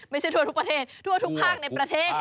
ทั่วทุกประเทศทั่วทุกภาคในประเทศ